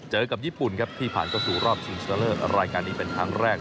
กับญี่ปุ่นครับที่ผ่านเข้าสู่รอบชิงชนะเลิศรายการนี้เป็นครั้งแรก